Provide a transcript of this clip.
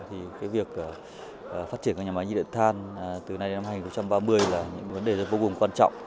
thì cái việc phát triển các nhà máy nhiệt điện than từ nay đến năm hai nghìn ba mươi là những vấn đề rất vô cùng quan trọng